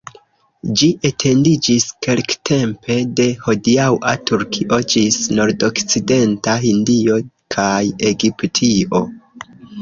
Ĝi etendiĝis kelktempe de hodiaŭa Turkio ĝis nordokcidenta Hindio kaj Egiptio.